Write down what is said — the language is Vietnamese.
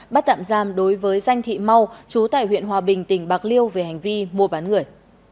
bắt tạm giam đối với danh thị mau chú tại huyện hòa bình tỉnh bạc liêu về hành vi mua bán người